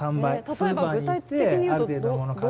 スーパーに行ってある程度のもの買って。